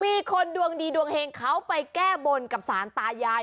มีคนดวงดีดวงเฮงเขาไปแก้บนกับสารตายาย